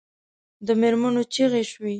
د مېرمنو چیغې شوې.